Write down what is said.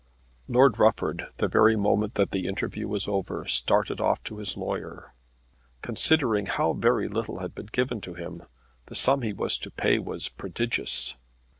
Lord Rufford, the very moment that the interview was over, started off to his lawyer. Considering how very little had been given to him the sum he was to pay was prodigious.